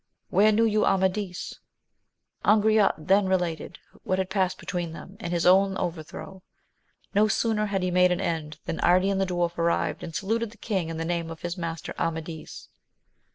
Where knew you Amadis ] Angriote then related what had passed between them, and his own overthrow. No sooner had he made an end, than Ardian the dwarf arrived, and saluted the king in the name of his master Amadis.